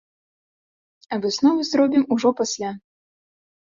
А высновы зробім ужо пасля.